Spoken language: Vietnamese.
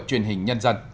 chuyển truyền thông tin